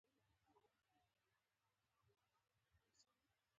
د بدخشان غرونه د ښکلا ستره پرده ده.